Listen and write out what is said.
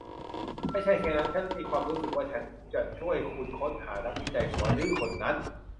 ไม่ใช่แค่นั้น ฉันมีความรู้สึกว่าฉันจะช่วยคุณค้นหานักวิจัยหัวดื้อคนนั้น